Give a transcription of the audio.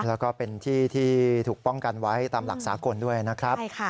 แล้วก็เป็นที่ที่ถูกป้องกันไว้ตามหลักสากลด้วยนะครับ